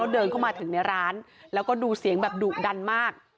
เดินเข้ามาถึงในร้านแล้วก็ดูเสียงแบบดุดันมาก